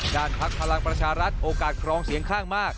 พักพลังประชารัฐโอกาสครองเสียงข้างมาก